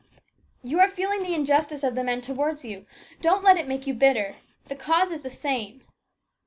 " You are feeling the injustice of the men towards you. Don't let it make you bitter. The cause is the same."